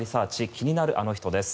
気になるアノ人です。